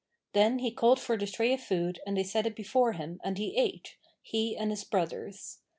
Then he called for the tray of food and they set it before him and he ate, he and his brothers.